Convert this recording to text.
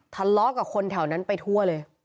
ทะเลาะกับคนแถวนั้นไปทั่วเลย